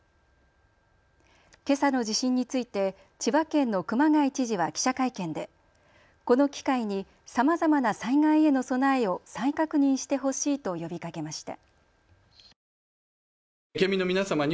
けさの地震について千葉県の熊谷知事は記者会見でこの機会にさまざまな災害への備えを再確認してほしいと呼びかけました。